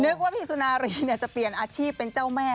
ว่าพี่สุนารีจะเปลี่ยนอาชีพเป็นเจ้าแม่